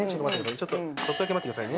ちょっとだけ待ってくださいね